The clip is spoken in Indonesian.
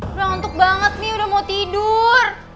udah ngantuk banget nih udah mau tidur